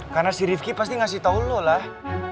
karena si rifki pasti ngasih tahu lo lah